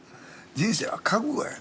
人生は覚悟や。